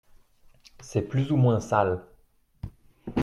C'est plus ou moins sale.